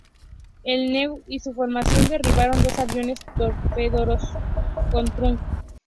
El "New Jersey" y su formación derribaron dos aviones torpederos en Truk.